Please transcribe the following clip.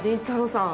さん